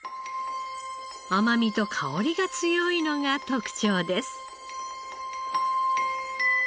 甘みと香りが強いのが特長です。